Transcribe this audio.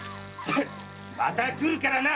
また来るからな！